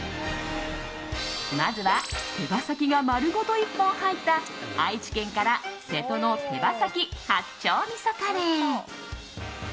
まずは手羽先が丸ごと１本入った愛知県から瀬戸の手羽先八丁味噌カレー。